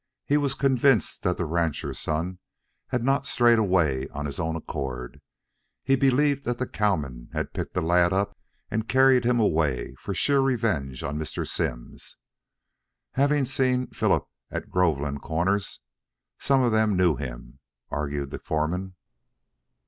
He was convinced that the rancher's son had not strayed away of his own accord. He believed that the cowmen had picked the lad up and carried him away for sheer revenge on Mr. Simms. Having seen Philip at Groveland Comers, some of them knew him, argued the foreman.